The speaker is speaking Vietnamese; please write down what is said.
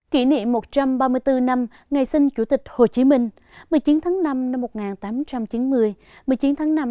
kỷ niệm một trăm ba mươi bốn năm ngày sinh chủ tịch hồ chí minh một mươi chín tháng năm năm một nghìn tám trăm chín mươi một mươi chín tháng năm năm hai nghìn hai mươi bốn